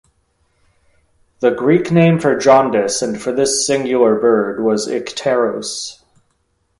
The Greek name for jaundice, and for this singular bird, was ikteros.